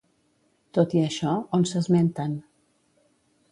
Tot i això, on s'esmenten?